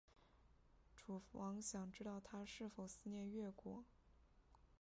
楚王想知道他是否思念越国。